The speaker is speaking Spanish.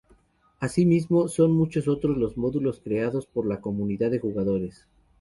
Asimismo, son muchos otros los módulos creados por la comunidad de jugadores.